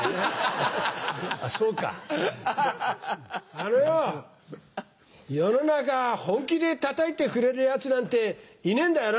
あのよぉ世の中本気でたたいてくれる奴なんていねんだよな。